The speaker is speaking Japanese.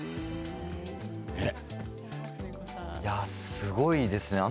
すごいですね。